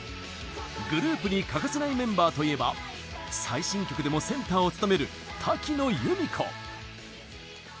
グループに欠かせないメンバーといえば最新曲でもセンターを務める瀧野由美子。